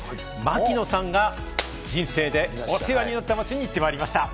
槙野さんが、人生でお世話になった街に行ってまいりました。